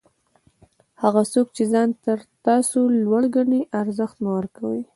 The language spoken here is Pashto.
هغه څوک چي ځان تر تاسي لوړ ګڼي؛ ارزښت مه ورکوئ!